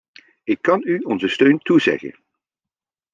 Ik kan u onze steun toezeggen.